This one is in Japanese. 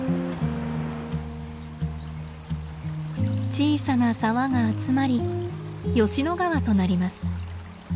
小さな沢が集まり吉野川となります。